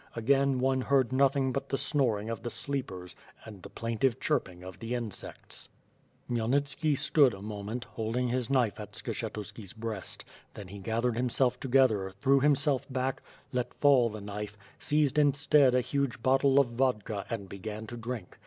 Again one heard nothing but the snoring of the sleepers, and the plaintive chirping of the insects. Khmyelnitski stood a moment, holding his knife at Skshet uski's breast; then he gathered himself together, tlirew him self back, let fall the knife, seized instead a huge bottle of vodka, and began to drink.